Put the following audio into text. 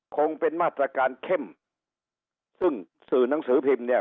คงเป็นมาตรการเข้มซึ่งสื่อหนังสือพิมพ์เนี่ย